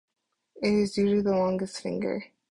It is usually the longest finger.